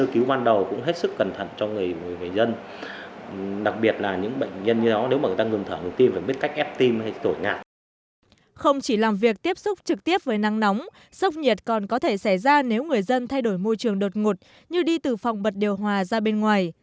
không chỉ làm việc tiếp xúc trực tiếp với nắng nóng sốc nhiệt còn có thể xảy ra nếu người dân thay đổi môi trường đột ngột như đi từ phòng bật điều hòa ra bên ngoài